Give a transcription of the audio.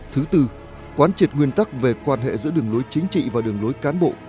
thứ tư quán triệt nguyên tắc về quan hệ giữa đường lối chính trị và đường lối cán bộ